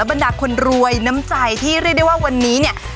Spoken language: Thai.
บรรดาคนรวยน้ำใจที่เรียกได้ว่าวันนี้เนี่ย